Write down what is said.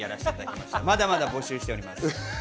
まだまだ募集しています。